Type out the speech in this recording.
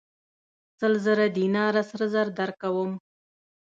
سل زره دیناره سره زر درکوم.